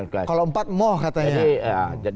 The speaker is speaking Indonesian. kalau empat moh katanya